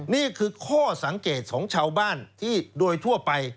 นี่คือข้อสังเกตของชาวบ้านที่โดยทั่วไป